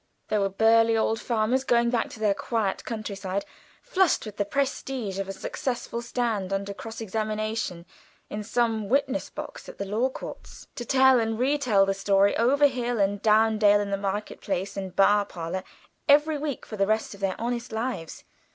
There were burly old farmers going back to their quiet countryside, flushed with the prestige of a successful stand under cross examination in some witness box at the Law Courts; to tell and retell the story over hill and dale, in the market place and bar parlour, every week for the rest of their honest lives.